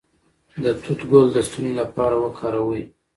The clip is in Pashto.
د توت ګل د ستوني لپاره وکاروئ